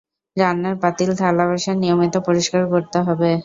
রান্নার পাতিল, থালাবাসন নিয়মিত পরিষ্কার করতে হবে।